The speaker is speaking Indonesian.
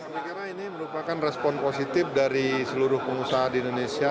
saya kira ini merupakan respon positif dari seluruh pengusaha di indonesia